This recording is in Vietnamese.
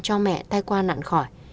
cho mẹ thay qua nặng khỏi